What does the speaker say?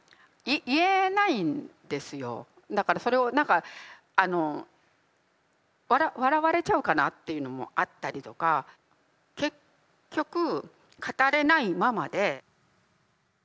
だからそれを何か笑われちゃうかなっていうのもあったりとか結局語れないままで。